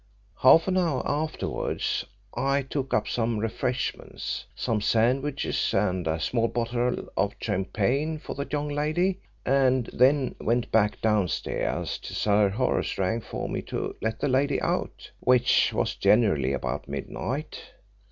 Half an hour afterwards I took up some refreshments some sandwiches and a small bottle of champagne for the young lady and then went back downstairs till Sir Horace rang for me to let the lady out, which was generally about midnight.